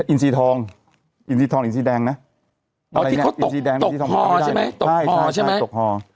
อินทรีย์ทองอินทรีย์ทองอินทรีย์แดงนะอ๋อที่เขาตกห่อใช่ไหมตกห่อใช่ไหมตกห่อ